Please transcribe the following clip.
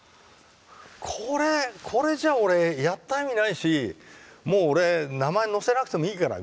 これこれじゃ俺やった意味ないしもう俺名前載せなくてもいいからみたいな。